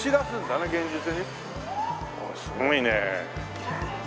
すごいね。